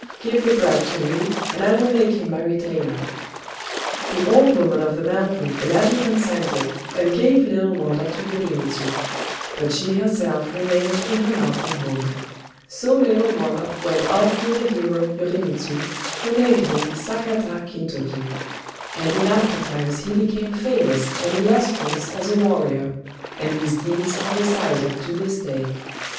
Give the brat to me, and I will make him my retainer." The Old Woman of the Mountain gladly consented, and gave "Little Wonder" to Yorimitsu; but she herself remained in her mountain home. So "Little Wonder" went off with the hero Yorimitsu, who named him Sakata Kintoki; and in aftertimes he became famous and illustrious as a warrior, and his deeds are recited to this day.